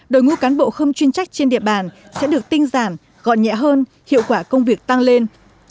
đội ngũ cán bộ không chuyên trách trên địa bàn sẽ được tinh giản gọn nhẹ hơn hiệu quả công việc tăng lên